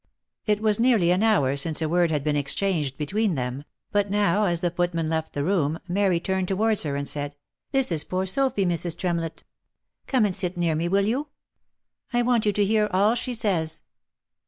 It was nearly an hour since a word had been exchanged between them, but now as the footman left the room, Mary turned towards her, and said —" This is poor Sophy, Mrs. Tremlett. Come and sit near me, will you ? I want you to hear all she says."